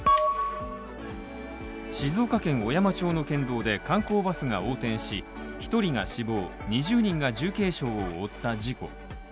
静岡県小山町の県道で観光バスが横転し１人が死亡、２０人が重軽傷を負った事故。